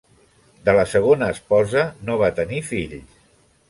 De la segona esposa no va tenir fills.